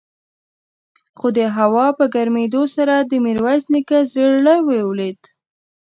خو د هوا په ګرمېدو سره د ميرويس نيکه زړه ولوېد.